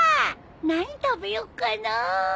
何食べよっかな。